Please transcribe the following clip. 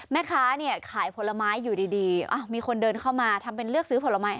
แม่ค้าเนี่ยขายผลไม้อยู่ดีมีคนเดินเข้ามาทำเป็นเลือกซื้อผลไม้